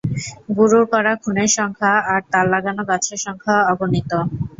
গুরুর করা খুনের সংখ্যা আর তার লাগানো গাছের সংখ্যা অগণিত!